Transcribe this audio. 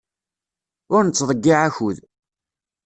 Ur nettḍeyyiɛ akud.